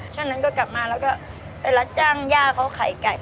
ช่วงนั้นก็กลับมาแล้วก็ไปรับจ้างย่าเขาขายไก่